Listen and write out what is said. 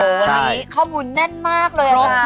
โอ้โหวันนี้ข้อมูลแน่นมากเลยค่ะ